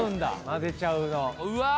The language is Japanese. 混ぜちゃうの・うわあ！